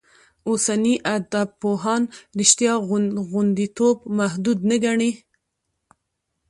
اوسني ادبپوهان رشتیا غوندېتوب محدود نه ګڼي.